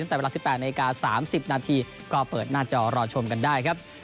ตั้งแต่เวลา๑๘นาที๓๐นาทีก็เปิดหน้าจอรอชมกันได้ครับ